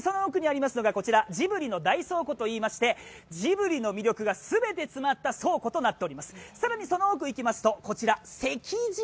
更にその奥にありますのがジブリの大倉庫と言いましてジブリの魅力が全て詰まった倉庫となっています。